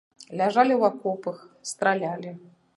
Ляжалі ў акопах, стралялі.